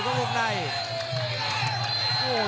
กำปั้นขวาสายวัดระยะไปเรื่อย